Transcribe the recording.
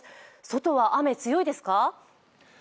外は雨、強いですか？